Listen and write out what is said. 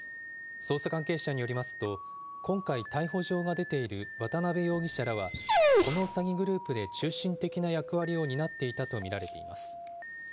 捜査関係者によりますと、今回、逮捕状が出ている渡邉容疑者らは、この詐欺グループで中心的な役割を担っていたと見られています。